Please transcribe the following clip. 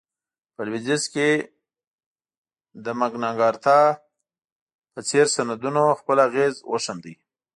په لوېدیځ کې د مګناکارتا په څېر سندونو خپل اغېز وښند.